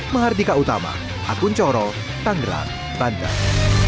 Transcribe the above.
mahardika utama akun corot tanggerak tantang